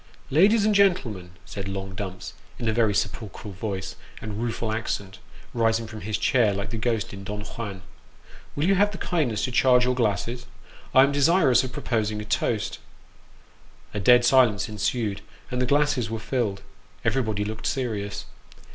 "Ladies and gentlemen," said long Dumps, in a very sepulchral voice and rueful accent, rising from his chair like the ghost in Don Juan, "will you have the kindness to charge your glasses? I am desirous of proposing a toast." A dead silence ensued, and the glasses were filled everybody looked serious.